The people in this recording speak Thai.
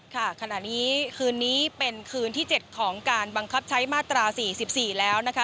ขณะนี้คืนนี้เป็นคืนที่๗ของการบังคับใช้มาตรา๔๔แล้วนะคะ